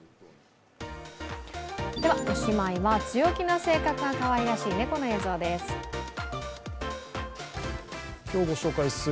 ではおしまいは強気な性格がかわいらしい猫の映像です。